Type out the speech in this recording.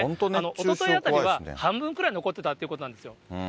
おとといあたりは、半分くらい残ってたということなんですよ。